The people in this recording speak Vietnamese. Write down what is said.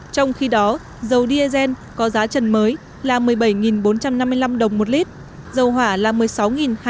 trong khi đó dầu diesel có giá trần mới là một mươi bảy bốn trăm năm mươi năm đồng một lít dầu hòa là một mươi sáu hai trăm bốn mươi ba đồng